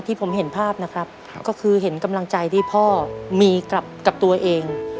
ผมเห็นภาพนะครับก็คือเห็นกำลังใจที่พ่อมีกับตัวเอง